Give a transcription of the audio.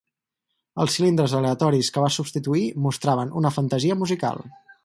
Els cilindres aleatoris que va substituir mostraven una fantasia musical.